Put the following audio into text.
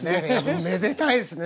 おめでたいっすね。